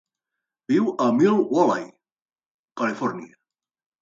Viu a Mill Valley, Califòrnia.